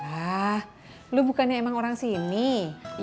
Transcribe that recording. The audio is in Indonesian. ah lo bukannya emang orang simak